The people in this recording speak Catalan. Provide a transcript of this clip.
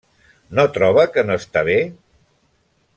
-No troba que no està bé?